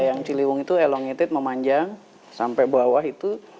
yang ciliwung itu elongated memanjang sampai bawah itu